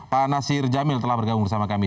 pak nasir jamil telah bergabung bersama kami